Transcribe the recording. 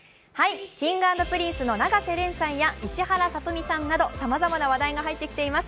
Ｋｉｎｇ＆Ｐｒｉｎｃｅの永瀬廉さんや石原さとみさんなど、さまざまな話題が入ってきています。